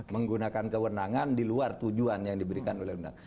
menggunakan kewenangan di luar tujuan yang diberikan oleh undang undang